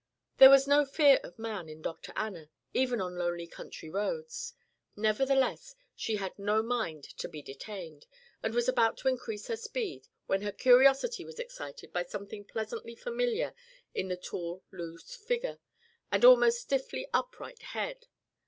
There was no fear of man in Dr. Anna, even on lonely country roads; nevertheless she had no mind to be detained, and was about to increase her speed, when her curiosity was excited by something pleasantly familiar in the tall loose figure, the almost stiffly upright head.